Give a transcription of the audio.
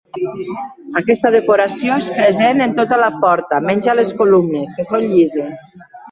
Aquesta decoració és present en tota la porta menys a les columnes, que són llises.